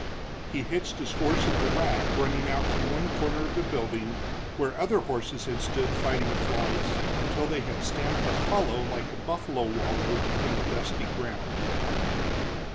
He hitched his horse at the rack running out from one corner of the building, where other horses had stood fighting flies until they had stamped a hollow like a buffalo wallow in the dusty ground.